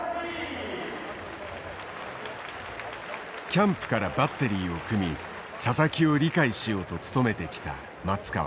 キャンプからバッテリーを組み佐々木を理解しようと努めてきた松川。